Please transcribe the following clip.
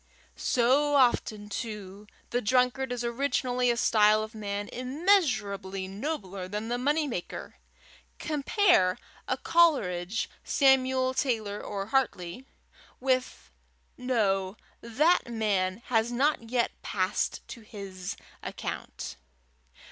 So often, too, the drunkard is originally a style of man immeasurably nobler than the money maker! Compare a Coleridge, Samuel Taylor or Hartley, with no; that man has not yet passed to his account.